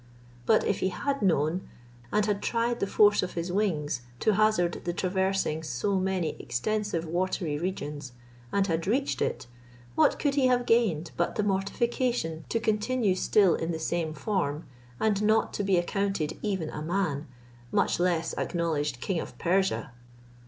But if he had known, and had tried the force of his wings, to hazard the traversing so many extensive watery regions, and had reached it, what could he have gained, but the mortification to continue still in the same form, and not to be accounted even a man, much less acknowledged king of Persia?